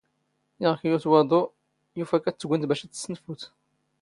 ⵉⴳ ⴽ ⵢⵓⵡⵜ ⵡⴰⴹⵓ, ⵢⵓⴼ ⴰⴽ ⴰⴷ ⵜⴳⵏⴷ ⴱⴰⵛ ⴰⴷ ⵜⵙⵙⵓⵏⴼⵓⴷ.